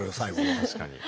確かに。